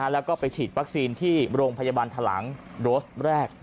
แล้วก็ไปฉีดวัคซีนที่โรงพยาบาลทะหลังโดสแรก